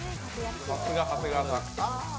さすが長谷川さん。